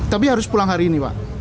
tapi harus pulang hari ini pak